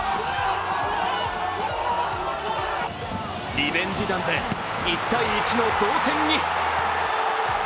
リベンジ弾で１−１の同点に。